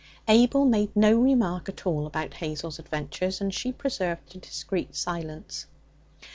Abel made no remark at all about Hazel's adventures, and she preserved a discreet silence.